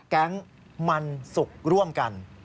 แก๊งมันสุกร่วมกัน